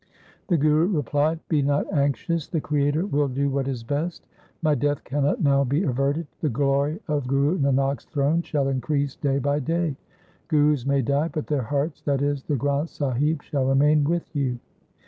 The Guru replied, ' Be not anxious. The Creator will do what is best. My death cannot now be averted. The glory of Guru Nanak's throne shall increase day by day. Gurus may die, but their hearts, that is, the Granth Sahib, shall remain with you.